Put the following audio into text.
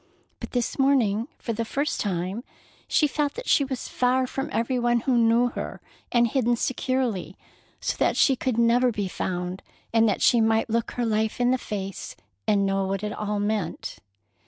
But this morning, for the first time, she felt that she was far from every one who knew her, and hidden securely so that she could never be found, and that she might look her life in the face and know what it all meant.